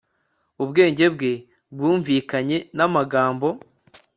Ubwenge bwe bwumvikanye namagambo